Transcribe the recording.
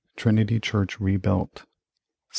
Trinity Church rebuilt 1798.